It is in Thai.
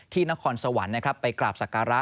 ที่นครสวรรค์ไปกราบศักระ